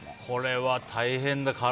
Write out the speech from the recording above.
これは大変だ。